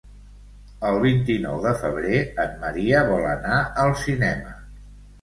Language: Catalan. El vint-i-nou de febrer en Maria vol anar al cinema.